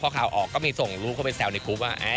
พอข่าวออกก็มีส่งรูปเข้าไปแซวในกรุ๊ปว่า